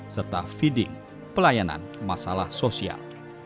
serta feeding pelayanan masalah sosial